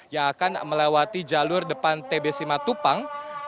yang akan melewati jalur depan tbc matupang